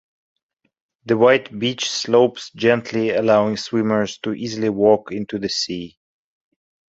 The white beach slopes gently allowing swimmers to easily walk into the sea.